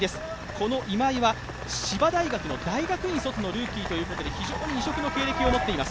この今江は千葉大学の大学院卒のルーキーということで非常に異色の経歴を持っています。